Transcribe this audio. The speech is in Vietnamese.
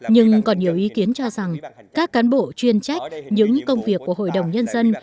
nhưng còn nhiều ý kiến cho rằng các cán bộ chuyên trách những công việc của hội đồng nhân dân